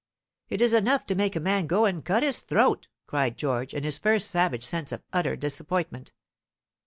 "It is enough to make a man go and cut his throat," cried George, in his first savage sense of utter disappointment.